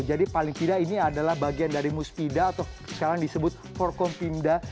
jadi paling tidak ini adalah bagian dari muspida atau sekarang disebut forkom pimda